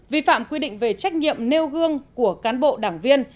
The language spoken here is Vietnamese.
vi phạm quy định về trách nhiệm nêu gương của cán bộ đảng viên